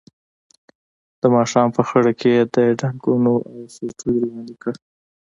د ماښام په خړه کې یې د ډانګونو او سوټیو لاندې کړ.